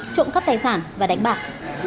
trộn khắp tài sản và đánh bạc